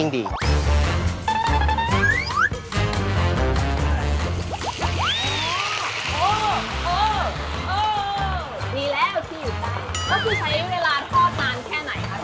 เมื่อกี้ใช้เวลาทอดนานแค่ไหนครับ